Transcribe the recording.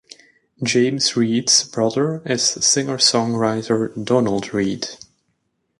James Reid's brother is singer-songwriter Donald Reid.